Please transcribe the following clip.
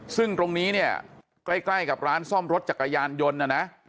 ซึ่งตรงนี้เนี่ยใกล้กับร้านซ่อมรถจักรยานยนต์นะนะ